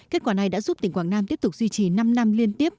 kết quả này đã giúp tỉnh quảng nam tiếp tục duy trì năm năm liên tiếp